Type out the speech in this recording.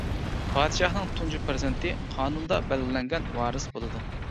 پادىشاھنىڭ تۇنجى پەرزەنتى قانۇندا بەلگىلەنگەن ۋارىس بولىدۇ.